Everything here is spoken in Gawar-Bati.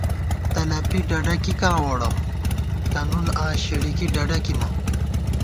تلَپی ڈَڈَکِکاں ووڑَہ تہ نُن آں شِڑِکی ڈَڈَکِمہ